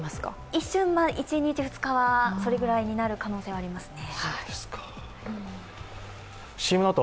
一瞬、１２日はそれぐらいになる可能性はありますね。